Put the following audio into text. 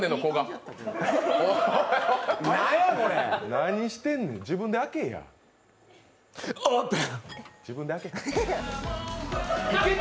何してんねん、自分で開けて。